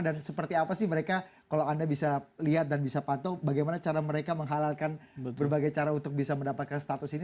dan seperti apa sih mereka kalau anda bisa lihat dan bisa patuh bagaimana cara mereka menghalalkan berbagai cara untuk bisa mendapatkan status ini